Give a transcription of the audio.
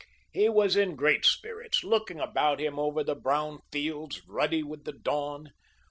He was in great spirits, looking about him over the brown fields, ruddy with the dawn.